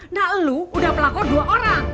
nah lo udah pelakor dua orang